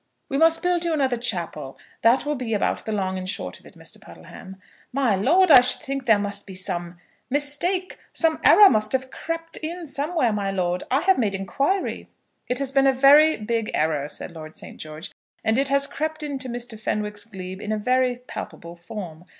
"We must build you another chapel, that will be about the long and short of it, Mr. Puddleham." "My lord, I should think there must be some mistake. Some error must have crept in somewhere, my lord. I have made inquiry " "It has been a very big error," said Lord St. George, "and it has crept into Mr. Fenwick's glebe in a very palpable form.